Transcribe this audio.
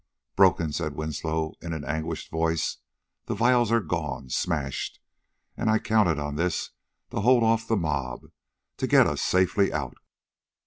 "Broken!" said Winslow in an anguished voice. "The vials are gone smashed! And I counted on this to hold off the mob, to get us safely out...."